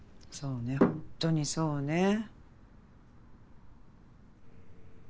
そうねホントにそうね。